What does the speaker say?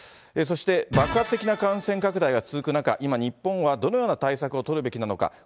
そして爆発的な感染拡大が続く中、今、日本はどのような対策を取るべきなのか。